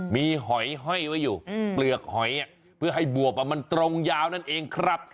มีหอยห้อยไว้อยู่เปลือกหอยเพื่อให้บวบมันตรงยาวนั่นเองครับ